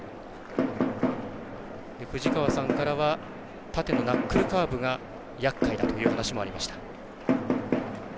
藤川さんからは縦のナックルカーブがやっかいだという話がありました。